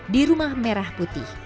di rumah merah putih